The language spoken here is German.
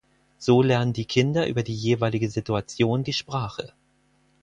So lernen die Kinder über die jeweilige Situation die Sprache.